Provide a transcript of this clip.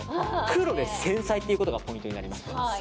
黒で繊細ってことがポイントになります。